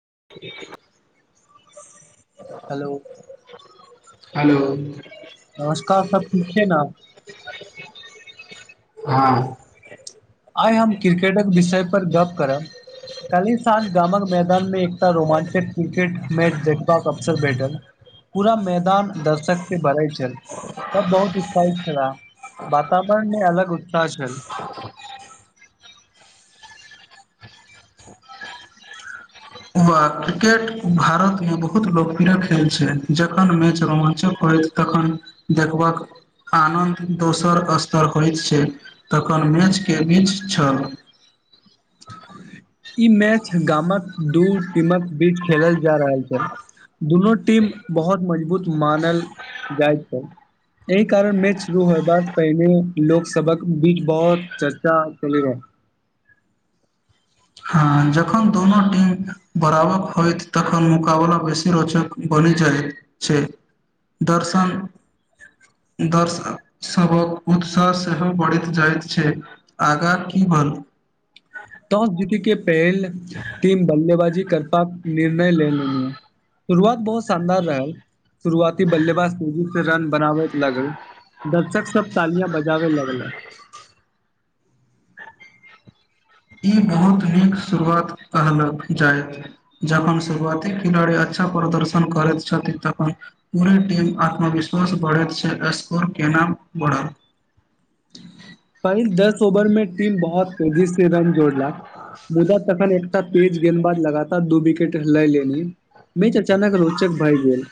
[inaudible] हलो hello नमस्कार सब ठीक छै न हँ आइ हम क्रिकेटक विषय पर गप्प करब कल्हि साँझ गामक मैदान मे एकटा रोमाँचक क्रिकेट मैच देखबाक अवसर बैठल पूरा मैदान दर्शक से भरई छल सब बहुत उत्साहित छलए वातावरण मे अलग उत्साह छल व क्रिकेट भारत मे बहुत लोकप्रिय खेल छै जखन मैच रोमानचक होय तखन देखबाक आनन्द दोसर स्तर होइत छै तखन मैच के बीच छल [inaudible] ई मैच गामक दू टीमक बीच खेलल जा रहल छै दुनू टीम बहत मजबूत मानल जाइ छल एही कारण मैच शुरू होए बाद पहिनेे लोक सबक बीच बहुत चर्चा भेलै रहै [inaudible] जखन दुनू टीम बराबक होइत तखन मुकाबला बेसी रोचक बनि जाय छै दर्शन दर्श सभक उत्साह सेहो बढ़ैत जाइत छै आगा की भल टॉस जीति के पहिल टिम बल्लेबाजी तरफा निर्णय ले लेनि ह शुरुआत बहुत शानदार रहल शुरुआती बल्लेबाज तेजी से रन बनाबैत लागल दर्शक सब तालिया बजाबे लगले ई बहुत नीक शुरुआत कहलक जायत जखन शुरुआती खिलाड़ी अच अच्छा प्रदर्शन करैत छथि तखन पूरे टीम आत्मविश्वास बढ़ैत छै स्कोर केने [unintelligible] [inaudible] पहिल दस ओवर मे टीम बहत तेजी से रन जोड़ला मुदा तखन एक टा तेज गेंनबाज लगातार दू विकेट लए लेनी मेच अचानक रोचक भए गेल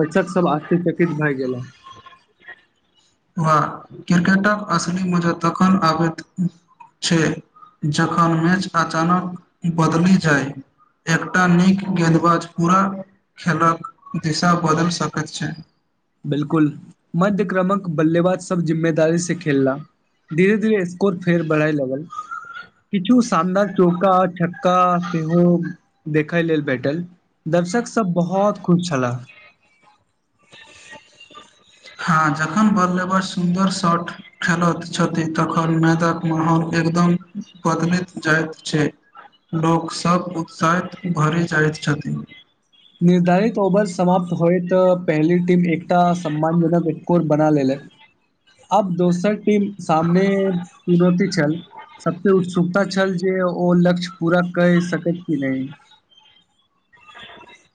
दर्शक सभ आशचर्यचकित भए गेले [inaudible] वा क्रिकेटक असली मजा तखन आबैत छै जखन मैच अचानक बदलि जाय एकटा नीक गेंदबाज पूरा खेलक दिशा बदलि सकैत छै बिलकुल मध्य क्रमक बल्लेबाज सब जिम्मेदारी से खेलला धीरे धीरे स्कोर फेर बढ़ई लगल किछु शानदार चौका छक्का सेहो देखय लेल भेटल दर्शक सब बहत खुश छला हँ जखन बल्लेबाज सुन्दर शॉट खेलैत छथि तखन मैदक माहौल एकदम बदलैत जाइत छै लोकसब उत्साहित भरि जाइत छथिन निर्धारित ओवर समाप्त होइत पहली टिम एक एकटा सम्मान जनक स्कोर बना लेलै अब दोसर टीम सामने चुनौती छल सबते उत्सुकता छल जे ओ लक्ष्य पूरा कए सकैत कि नै [inaudible]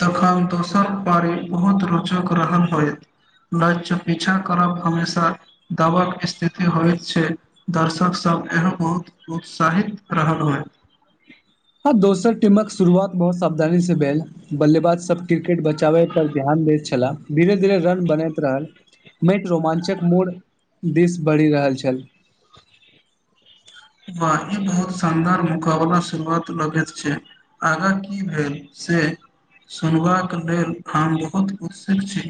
तखन दोसर पारी बहत रोचक रहल होयत लक्ष्य पीछा करब हमेशा दाबाक स्थिति होइत छै दर्शक सब यहाँ बहुत उत्साहित रहल होइत [inaudible] हँ दोसर टिमक शुरुआत बहुत सावधानी से भेल बल्लेबाज सब क्रिकेट बचाबै पर ध्यान दैत छला धीरे धीरे रन बनैत रहल मेटि रोमांचक मोड दिस बढ़ि रहल छल वा इ बहुत शानदार मुकाबला शुरुआत लगैत छै आगा की भेल से सुनबाक लेल हम बहुत उत्सुक छी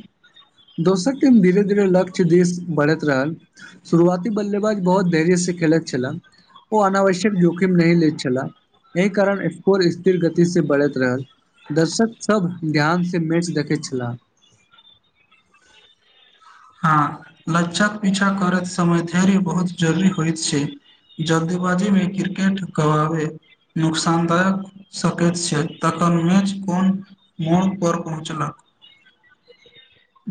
दोसक टिम धीरे धीरे लक्ष्य दिस बढ़ैत रहल शुरुआती बल्लेबाज बहुत घेर्य से खेलैत छला ओ अनावश्यक जोखिम नहि लैत छलाह एहि कारण स्कोर स्थिर गति से बढ़ैत रहल दर्शक सभ ध्यान से मैच देखैत छलाह हँ लझ्यक पीछा करैत समय धैर्य बहुत जरूरी होइत छै जल्देबाजी में क्रिकेट गबावे नुोकसानदायक सकैत छै तखन मैच कोन मोड़पर पहुँचलक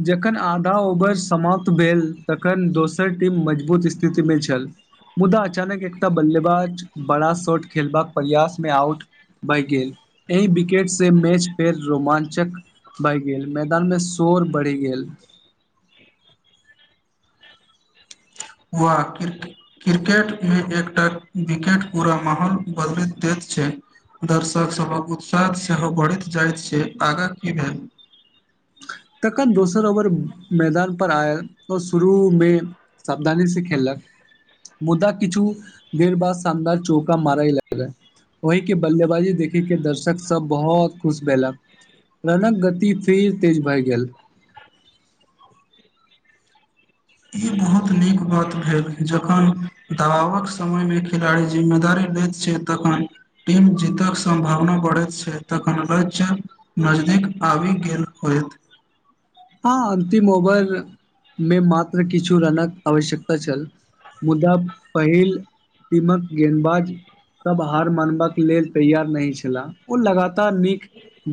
जखन आधा ओवर समाप्त भेल तखन दोसर टीम मजबूत स्थितिमे छल मुद्दा अचानक एकटा बल्लेबाज बड़ा शॉट खेलबाक प्रयास में आउट भए गेल एहि विकेट से मैच फेर रोमांचक बहि गेल मैदान मे शोर बढ़ि गेल हुआ क्रिकेट में एकटा विकेट पूरा माहौल बदलैत देत छै दर्शक सभक उत्साह सेहो बढ़ैत जाइत छै आगा की भेल [inaudible] न दोसर ओवर मैदान पर आय ओ शुरू मे सावधानी से खेललक मुदा किछु देर बाद सानदार चौका मारइ लागै ओहि के बल्लेबाजी देखे के दर्शक सब बहुत खुश भेलक रणक गति फेर तेज भए गेल ई बहुत नीक बात भेल जखन दबावक समय में खिलाड़ी जिम्मेदारी लैत छै तखन टीम जीतक सम्भावना बढ़ैत छै तखन लक्ष्य मज अध आबी गेल होत हँ अन्तिम ओवर मे मात्र किछु रनक आवश्यकता छल मुदा पहिल टीमक गेंदबाज सब हार मानबाक लेल तैयार नहि छलाह ओ लगातार नीक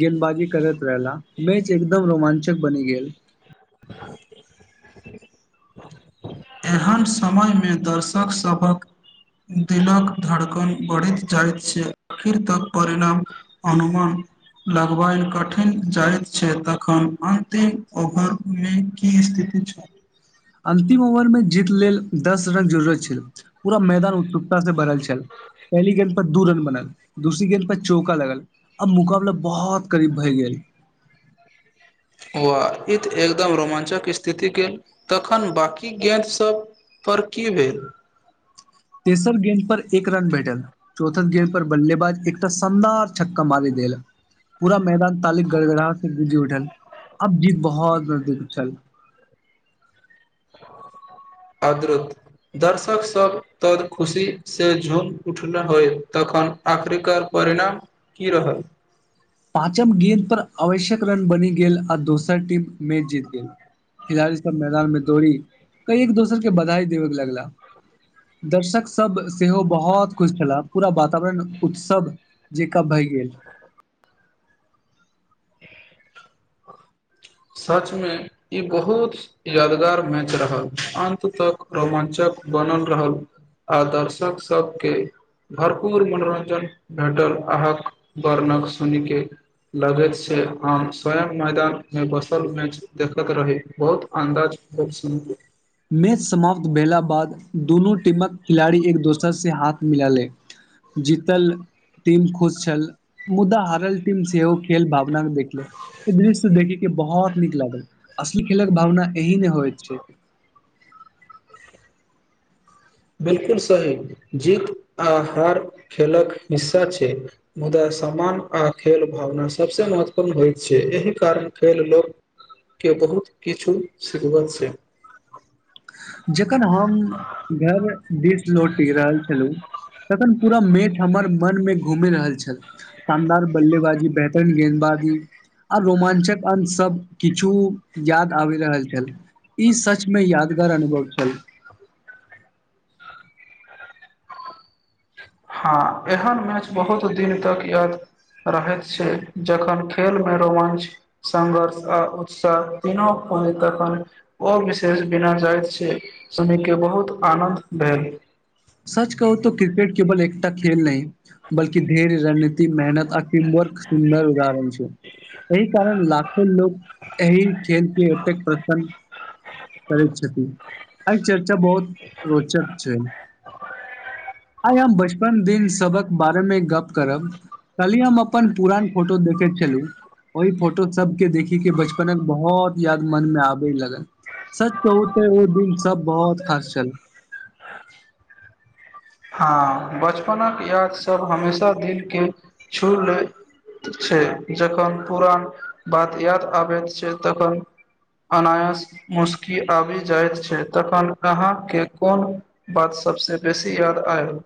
गेदंबाजी करैत रहला मैच एकदम रोमाञ्चक बनि गेल [inaudible] एहन समय में दर्शक सभक दिलक धड़कन बढ़ैत जाइत छै आखिर तक परिणाम अनुमान लगबायल कठिन जाइत छै तखन अन्तिम ओवर मे की स्थिति छ अंतिम ओवर मे जीत लेल दस रन जरूरत छल पूरा मैदान उत्सुकता से भरल छल पहिलि गेंद पर दू रन बना दूसरी गेंद पर चौका लगल आब मुकाबला बहुत करीब भए गेल [inaudible] वआ ई तऽ एकदम रोमाञ्चक स्थिति गेल तखन बकी गेंद सभ पर की भेल तेसर गेंद पर एक रन बैठल चौथा गेंद पर बल्ेबाज एकटा शानदार छक्का मारे द देल पूरा मैदान तालिक गड़गड़ाहट से गुंजी उठल अब जीत बहुत नजदीक उछल [inaudible] अद्भुत दर्शक सब तद खुशी से झुम उठने होय त तखन आखरिकार परिणाम की रहल पाँचम गेंद पर आवश्यक रन बनि गेल आ दोसर टीम मैच जीत गेल खिलाड़ी सब मैदान मे दौड़ी कई एक दोसर के बधाई देबय लगला दर्शक सब सेहो बहुत खुश छला पूरा वातावरण उत्सव जेकाँ भय गेल सचमे ई बहुत यादगार मैच रहल अन्त तक रोमा्चक बनल रहल आ दर्शक सब के भरपूर मनोरंजन भेटल अहाँक वर्णक सुने के लगैत छै हम स्वयं मैदान मे बसल मे देखैत रही बहुत अन्दाज ब सुन मैच समाप्त भेला बाद दुनू टीमक खिलाड़ी एक दोसर से हाथ मिला ले जीतल टीम खुश छल मुदा हारल टीम सेहो खेल भाव भावना के देखले इ दृश्य देखे के बहुत नीक लागल असली खेलक भावना एही ने होइत छै बिलकुल सही जीत आ हार खेलक हिस्सा छै मुदा सम्मान आ खेल भावना सबसे महत्वपूर्ण होइत छै एहि कारण खेल लोक के बहुत किछु सिखबत छै जखन हम घर दिस लौटि रहल छलहुँ तखन पूरा मेठ हमर मन मे घुमे रहल छल शानदार बल्लेबाजी बेहतरीन गेंदबाज आ रोमांचक अंश सब किछु याद आबि रहल छल ई सचमे यादगार अनुभव छल हँ एहन मैच बहुत दिन तक याद रहैत छै जखन खेलमे रोमांच संघर्ष आ उत्साह तीनू आ तखन और विशेष बिना जाइत छै सुनि के बहुत आनद भेल सच कहू त क्रिकेट केवल एकटा खेल नहि बल्कि धैर्य रणनीति मेहनत आ टीम वर्क र्क सुन्दर उदाहरण छै छै एहि कारण लाखो लोक एहि खेलके एतेक प्रसन करै छथि आइ चर्चा बहुत रोचक छै आइ हम बैस बच्चपन दिन सबक बारे मे गप करब कलही हम अपन पुरान फोटो देखैत छलु ओई फोटो सबके देखि के बचपनक बहुत याद मन मे आबे लगल सच कहु त ओ दिन सब बहुत खास छल हँ बचपनक याद सब हमेशा दिल के छू लै छै जखन पुरान बात याद आबैत छै तखन अनायास मुशकी आबि जाइत छै तखन अहाँ के कोन बात सबसँ बेसी याद आयल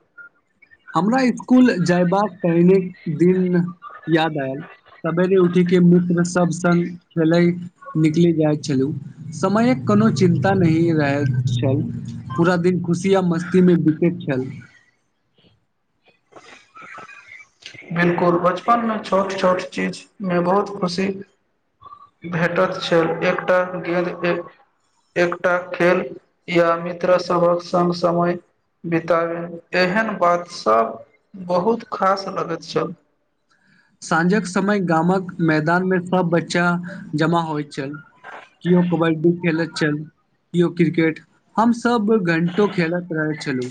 हमरा स्कूल जायबाक पहिलेक दिन याद आयल सवेरे उठी के मित्र सब संग खेले निकले जाइत छलु समयक कोनो चिन्ता नहि रहैत छल पूरा दिन खुशी आ मस्ती मे बितैत छल [inaudible] [inaudible] बिलकुल बचपन में छोट छोट चीज में बहुत खुशी भेटत छल एकटा गेंद एक एकटा खेल या मित्र सभक संग समय बिताबे एहन बात सब बहुत खास लगैत छल साँझक समय गामक मैदान मे सब बच्चा जमा होइत छल केओ कबड्डी खेलैत छल केओ क्रिकेट हम सब घंटों खेलैत रहैत छलु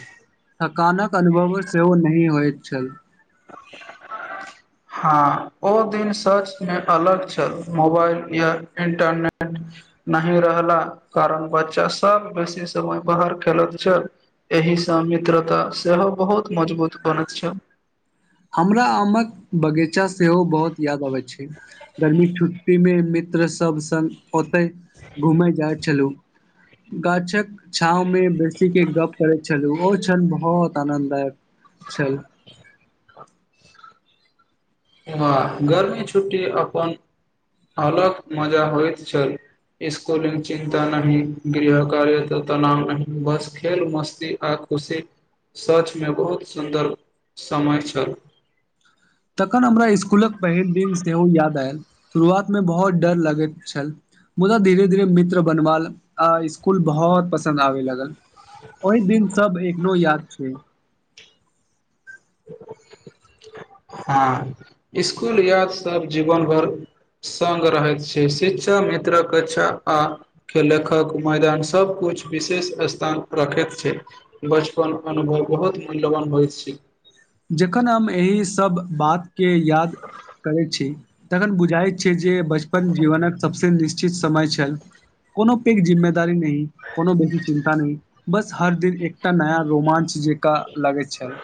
थकानक अनुभव सेहो नहि होइत छल हँ ओ दिन सचमे अलग छल मोबाइल या इन्टरनेट नहि रहला कारण बच्चा सब बेसी समय बाहर खेलैत छल एहिसँ मित्रता सेहो बहुत मजबूत बनैत छल हमरा आमक बगीचा सेहो बहुत याद आबैत छै गर्मी छुट्टी मे मित्र सब संग ओते घुमेै जाइ छलहु गाछक छांव में बेसी के गप करैत छलु ओ क्षण बहुत आनन्ददायक छल वाह गर्मी छुट्टी अपन अलग मजा होइत छल स्कुलिक चिन्ता नहीं गृह कार्य त तनाव नहि बस खेल मस्ती आ खुशी सचमे बहुत सुन्दर समय छल तखन हमरा स्कूलक पहिल दिन सेहो याद आयल शुरुआत मे बहुत डर लगैत छल मुदा धीरे धीर मित्र बनबाल आ स्कूल बहुत पसन्द आवे लागल ओहि दिन सभ एखनो याद छै हँ स्कूल याद सब जीवन भर संग रहैत छै शिक्षा मित्रक कक्षा आ के लेखक मैदान सबकुछ कुछ विशेष स्थान रखैत छै बचपन अनुभव बहुत मूल्यवान होइत छै जखन हम एहि सभ बातके याद करैत छी तखन बुझाइत छै जे बचपन जीवनक सभसँ निश्चित समय छल कोनो पैघ जिम्मेदारी नहि कोनो बेसी चिन्ता नहि बस हर दिन एकटा नया रोमांच जेका लगैत छल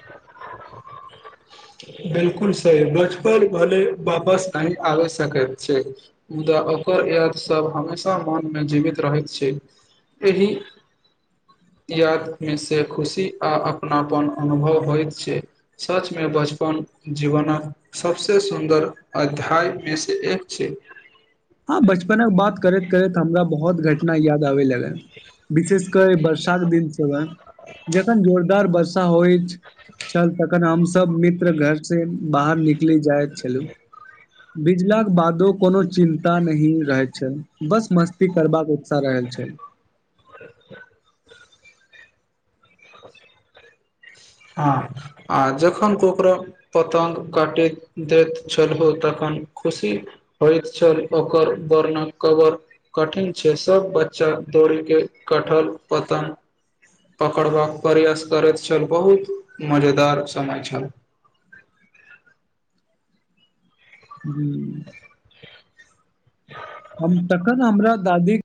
[inaudible] बिलकुल सही बचपन भलै वापस नहि आ सकैत छै मूदा ओकर याद सभ हमेशा मनमे जीवित रहैत छै एहि याद मे से खुशी आ अपनापन अनुभव होइत छै सच में बचपन जीवनक सबसे सुन्दर अध्याय मे से एक छै [inaudible] बचपनक बात करैत करैत हमरा बहुत घटना याद आबे लगल विशेष कर वर्षाक दिन से जखन जोरदार वर्षा होइछ चल तखन हम सब मित्र घर से बाहर निकले जाय छलु भिजलाक बादो को चिन्त ता नही रहै छै बस मस्ती करबाक सा रहल छल हँ आ जखन कोकरो पतंग काटैत दैत छलहो तखन खुशी होइत छल ओकर वर्णन कबर कठिन छै सभ बच्चा दोरी के कठल पतंग पकड़बाक प्रयास करैत छलहु बहुत मजेदार समय छल ह्म हम तखन हमरा दादी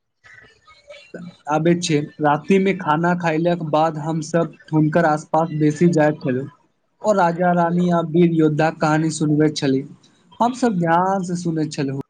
आबै छै राति मे खाना खायलाक के बाद हमसब हुनकर आस पास बेसी जाइत छलहु ओ राजा रानी आ विर योद्धाक कहानी सुनबे छली हम सब ध्यान से सुने छलहु